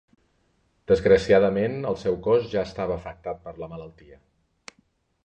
Desgraciadament, el seu cos ja estava afectat per la malaltia.